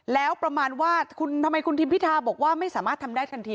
แล้วประมาณว่าทำไมคุณทิมพิธาบอกว่าไม่สามารถทำได้ทันที